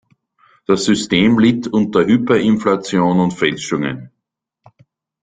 Das System litt unter Hyperinflation und Fälschungen.